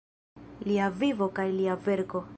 Lia vivo kaj lia verko.